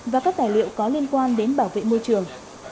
và các tài liệu có liên quan đến bảo vệ môi trường